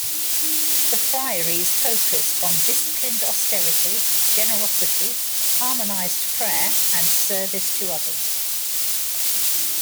The friaries focused on disciplined austerity, generosity, harmonized prayer, and service to others.